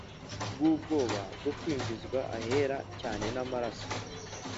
Bw ubwoba bwo kwinjizwa ahera cyane n amaraso